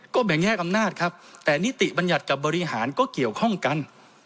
แบ่งแยกอำนาจครับแต่นิติบัญญัติกับบริหารก็เกี่ยวข้องกัน